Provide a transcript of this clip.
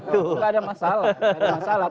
itu gak ada masalah